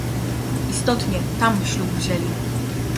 "Istotnie, tam ślub wzięli."